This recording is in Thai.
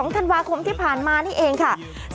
ธันวาคมที่ผ่านมานี่เองค่ะ